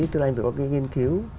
tức là anh phải có cái nghiên cứu